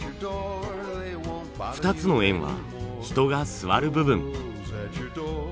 ２つの円は人が座る部分。